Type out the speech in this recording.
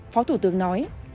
phó thủ tướng nói